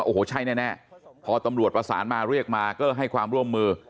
โอ้โหใช่แน่พอตำรวจประสานมาเรียกมาก็ให้ความร่วมมือ